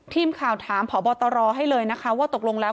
ทีมข่าวถามพบตรให้เลยนะคะว่าตกลงแล้ว